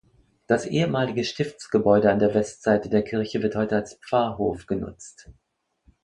Das ehemalige Stiftsgebäude an der Westseite der Kirche wird heute als Pfarrhof genutzt.